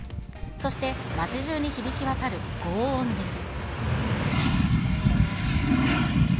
そして町じゅうに響き渡るごう音です。